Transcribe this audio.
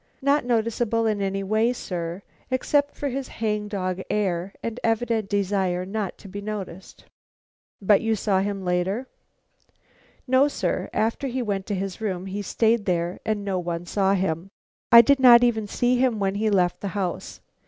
Not noticeable in any way, sir, except for his hang dog air and evident desire not to be noticed." "But you saw him later?" "No, sir. After he went to his room he stayed there, and no one saw him. I did not even see him when he left the house.